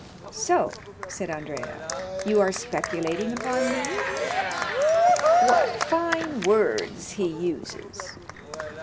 "So," said Andrea, "you are speculating upon me?" "What fine words he uses!"